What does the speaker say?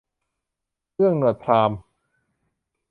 เอื้องหนวดพราหมณ์